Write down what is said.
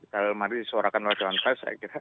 dalam hari disuarakan oleh dewan pers